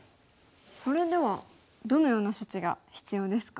それではどのような処置が必要ですか？